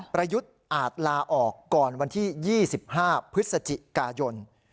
ประยุทธ์อาจลาออกก่อนวันที่๒๕พฤศจิกายน